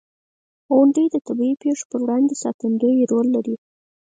• غونډۍ د طبعي پېښو پر وړاندې ساتندوی رول لري.